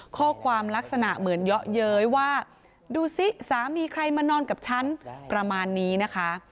ข้อความลักษณะเหมือนเยาะเย้ยว่าดูสิสามีใครมานอนกับฉันประมาณนี้นะคะ